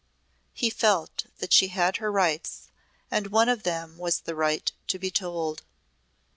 He felt that she had her rights and one of them was the right to be told.